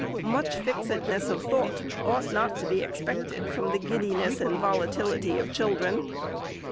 Much fixedness of thought ought not to be expected from the giddiness and volatility of children.